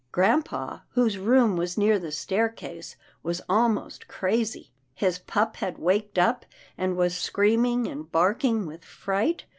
Grampa, whose room was near the staircase, was almost crazy. His pup had waked up, and was screaming and barking with fright.